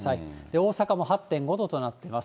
大阪も８．５度となっています。